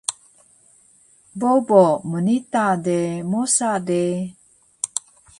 Bobo mnita de mosa de